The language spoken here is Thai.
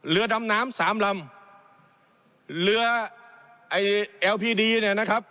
เรือดำน้ำสามลำเรือไอ้เอลพีดีเนี่ยนะครับ